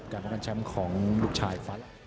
การป้องกันแชมป์ของลูกชายฟ้าลั่น